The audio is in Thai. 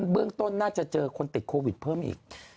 เบื้องต้นน่าจะเจอคนติดโควิดเพิ่มอีก